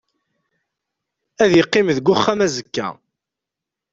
Ad iqqim deg uxxam azekka.